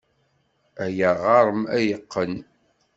Aya ɣer-m ay yeqqen.